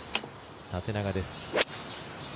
縦長です。